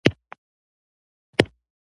ده خلکو ته وکتل، لکه شماري یې چې.